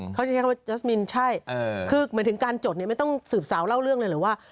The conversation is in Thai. เขาจะเข้าไปจัสมินใช่เออคือเหมือนถึงการจดเนี่ยไม่ต้องสืบสาวเล่าเรื่องเลยหรือว่า